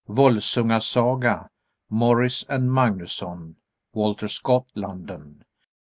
_ "Volsunga Saga," Morris and Magnusson. _Walter Scott, London.